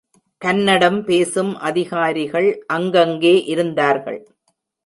கன்னடம் பேசும் அதிகாரிகள் அங்கங்கே இருந்தார்கள்.